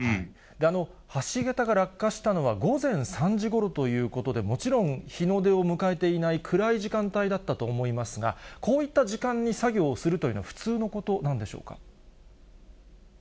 橋桁が落下したのは午前３時ごろということで、もちろん、日の出を迎えていない暗い時間帯だったと思いますが、こういった時間に作業するというのは普通のことなんでしょうか。